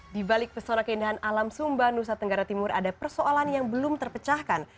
di balik pesona keindahan alam sumba nusa tenggara timur ada persoalan yang belum terpecahkan